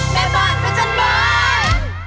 แม่บ้านสัญญาณบ้าน